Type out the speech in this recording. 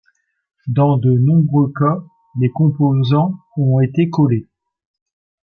Dans de nombreux cas, les composants ont été collés.